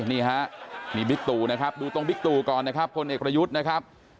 นี่ฮะนี่บิ๊กตู่นะครับดูตรงบิ๊กตู่ก่อนนะครับพลเอกประยุทธ์นะครับ